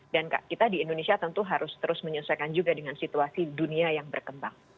dan kak kita di indonesia tentu harus terus menyesuaikan juga dengan situasi dunia yang berkembang